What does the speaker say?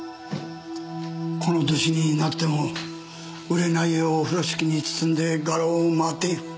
この歳になっても売れない絵を風呂敷に包んで画廊を回っている。